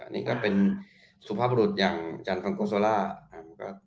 นี่ก็เป็นสุภาพบรุษอย่างจันทังโกโซล่า